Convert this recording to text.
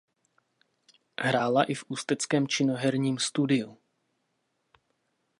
Hrála i v ústeckém Činoherním studiu.